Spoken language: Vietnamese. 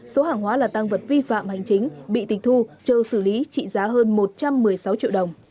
số hàng hóa là tăng vật vi phạm hành chính bị tịch thu chờ xử lý trị giá hơn một trăm một mươi sáu triệu đồng